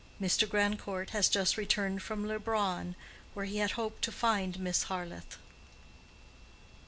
Mr. Grandcourt has just returned from Leubronn, where he had hoped to find Miss Harleth.